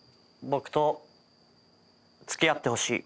僕と付き合ってほしい。